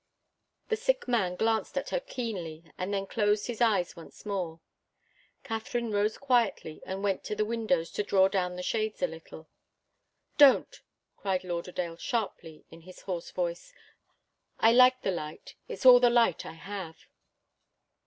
The sick man glanced at her keenly and then closed his eyes once more. Katharine rose quietly and went to the windows to draw down the shades a little. "Don't!" cried Lauderdale, sharply, in his hoarse voice. "I like the light. It's all the light I have."